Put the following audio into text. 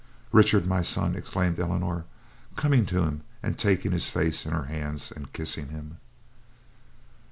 "Richard, my son!" exclaimed Eleanor, coming to him and taking his face in her hands and kissing him.